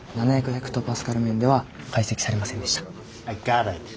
ヘクトパスカル面では解析されませんでした。